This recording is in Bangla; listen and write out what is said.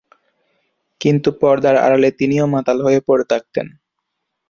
কিন্তু পর্দার আড়ালে তিনিও মাতাল হয়ে পড়ে থাকতেন।